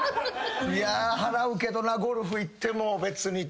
いや払うけどなゴルフ行っても別に誰でも。